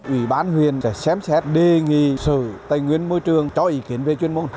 ủy ban huyện sẽ xém xét đề nghị sự tây nguyên môi trường cho ý kiến về chuyên môn